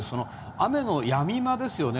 雨のやみ間ですよね。